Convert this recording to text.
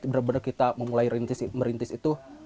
benar benar kita memulai merintis itu